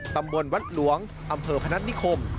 ตำบลวัดหลวงอำเภอพนัฐนิคม